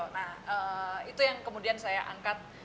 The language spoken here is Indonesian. nah itu yang kemudian saya angkat